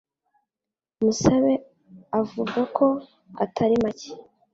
Musabe avuga ko atari make